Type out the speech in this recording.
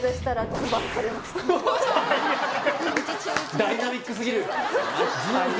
人生がダイナミックすぎる！